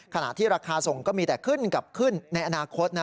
ขณะที่ราคาส่งก็มีแต่ขึ้นกับขึ้นในอนาคตนะ